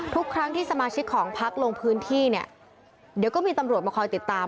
ทุกครั้งที่สมาชิกของพักลงพื้นที่เนี่ยเดี๋ยวก็มีตำรวจมาคอยติดตาม